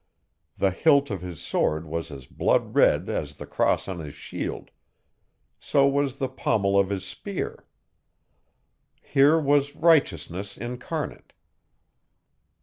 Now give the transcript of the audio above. The hilt of his sword was as blood red as the cross on his shield; so was the pommel of his spear. Here was righteousness incarnate.